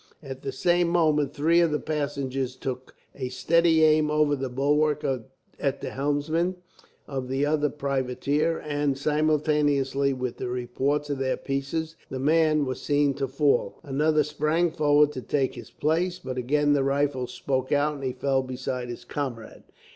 At the same moment, three of the passengers took a steady aim over the bulwark at the helmsman of the other privateer and, simultaneously with the reports of their pieces, the man was seen to fall. Another sprang forward to take his place, but again the rifles spoke out, and he fell beside his comrade.